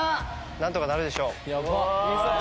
なんとかなるでしょう。